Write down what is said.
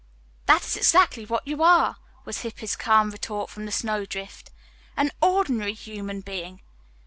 "That is exactly what you are," was Hippy's calm retort from the snowdrift, "'an ordinary human being.'"